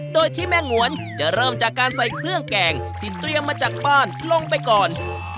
โดยที่แม่งวนจะเริ่มจากการใส่เครื่องแกงที่เตรียมมาจากบ้านลงไปก่อน